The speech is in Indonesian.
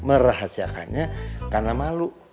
merahasiakannya karena malu